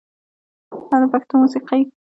دا د پښتو موسیقۍ د بیا ژوندي کېدو لوی چانس دی.